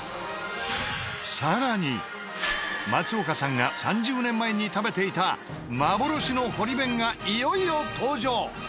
松岡さんが３０年前に食べていた幻の堀弁がいよいよ登場！